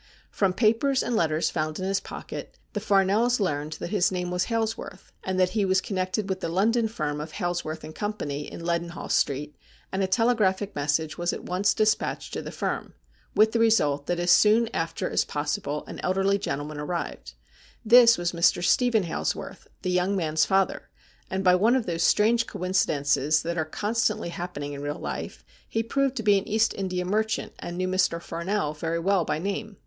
Prom papers and letters found in his pocket, the Farnells learned that his name was Hailsworth, and that he was con nected with the London firm of Hailsworth & Co., in Leaden hall Street, and a telegraphic message was at once despatched to the firm, with the result that as soon after as possible an elderly gentleman arrived. This was Mr. Stephen Hailsworth, the young man's father, and by one of those strange coin cidences that are constantly happening in real life, he proved to be an East India merchant, and knew Mr. Farnell very well by name.